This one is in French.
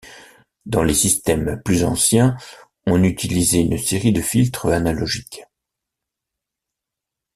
Dans les systèmes plus anciens on utilisait une série de filtres analogiques.